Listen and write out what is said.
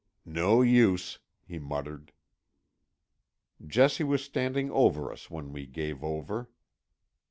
"No use," he muttered. Jessie was standing over us when we gave over.